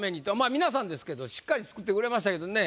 皆さんですけどしっかり作ってくれましたけどね。